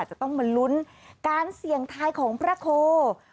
จะต้องมาลุ้นการเสี่ยงทายของพระโค